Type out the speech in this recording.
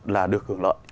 là được hưởng lợi